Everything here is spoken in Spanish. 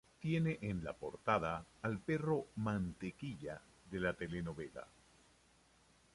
Tiene en la portada al perro "Mantequilla" de la telenovela.